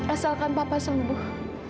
asalkan papa sembuh